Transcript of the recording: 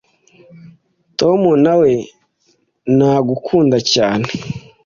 Tom nawe ntagukunda cyane.